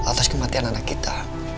atas kematian anak kita